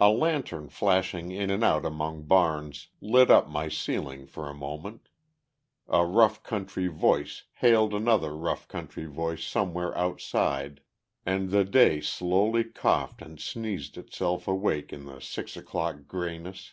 A lantern flashing in and out among barns lit up my ceiling for a moment, a rough country voice hailed another rough country voice somewhere outside, and the day slowly coughed and sneezed itself awake in the six o'clock grayness.